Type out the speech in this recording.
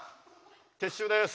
撤収です。